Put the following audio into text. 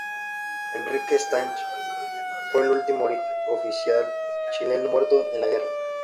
Enrique Stange fue el último oficial chileno muerto en la guerra.